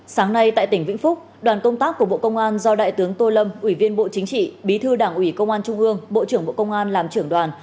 sáng nay tại tỉnh vĩnh phúc đoàn công tác của bộ công an do đại tướng tô lâm ủy viên bộ chính trị bí thư đảng ủy công an trung ương bộ trưởng bộ công an làm trưởng đoàn